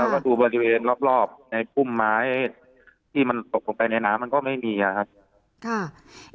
แล้วก็ดูบริเวณรอบในพุ่มไม้ที่มันตกลงไปในน้ำมันก็ไม่มีครับ